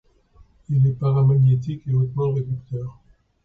Il est paramagnétique et hautement réducteur.